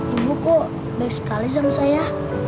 ibu kok baik sekali sama saya